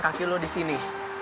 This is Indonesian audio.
kaki lo disini